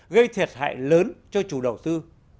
gây thiệt hại lớn cho chủ đầu tư